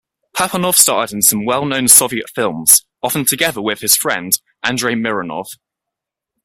Papanov starred in some well-known Soviet films, often together with his friend, Andrei Mironov.